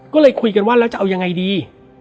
ก็เลยคุยกันว่าแล้วจะเอายังไงดี